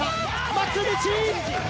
松道！